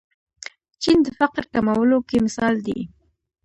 چین د فقر کمولو کې مثال دی.